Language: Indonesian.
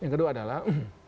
yang kedua adalah